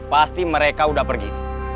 pasti mereka udah pergi